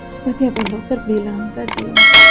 seperti apa dokter bilang tadi